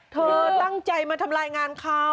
เธอตั้งใจมาทำลายงานเขา